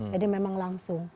jadi memang langsung